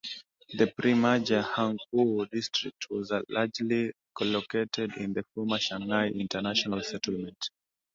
The pre-merger "Huangpu District" was largely located in the former Shanghai International Settlement.